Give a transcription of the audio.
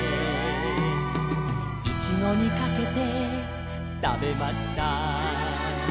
「いちごにかけてたべました」